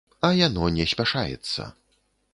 А яно не спяшаецца.